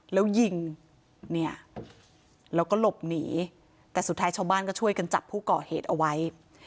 แล้วยิงเนี่ยแล้วก็หลบหนีแต่สุดท้ายชาวบ้านก็ช่วยกันจับผู้ก่อเหตุเอาไว้